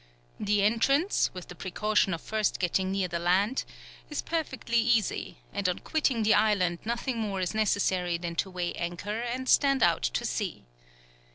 The entrance, with the precaution of first getting near the land, is perfectly easy; and on quitting the island nothing more is necessary than to weigh anchor and stand out to sea.